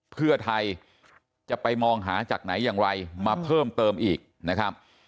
เพื่อไทยจะไปมองหาจากไหนอย่างไรมาเพิ่มเติมอีกนะครับ